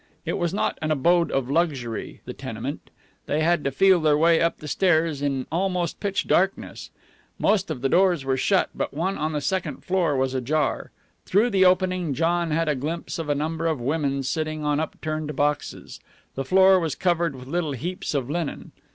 It was not an abode of luxury, the tenement; they had to feel their way up the stairs in almost pitch darkness. Most of the doors were shut, but one on the second floor was ajar. Through the opening John had a glimpse of a number of women sitting on up turned boxes. The floor was covered with little heaps of linen.